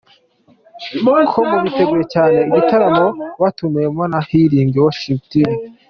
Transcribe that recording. com ko biteguye cyane igitaramo batumiwemo na Healing worship team.